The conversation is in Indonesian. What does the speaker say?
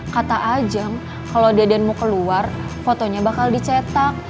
kata ajeng kalau deden mau keluar fotonya bakal dicetak